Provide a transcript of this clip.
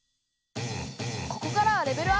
ここからはレベルアップ！